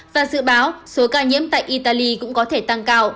và dự báo số ca nhiễm tại italy cũng có thể tăng cao